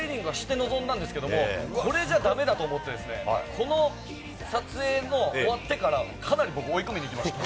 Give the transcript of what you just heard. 僕もある程度トレーニングをして臨んだんですけれど、これじゃ駄目だと思って、この撮影が終わってから、かなり僕、追い込みに行きました。